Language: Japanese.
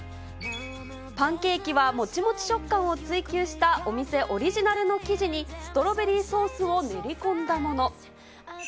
パンケーキはもちもち食感を追求したお店オリジナルの生地に、ストロベリーソースを練り込んだもの。